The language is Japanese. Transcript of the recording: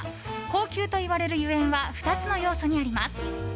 高級といわれるゆえんは２つの要素にあります。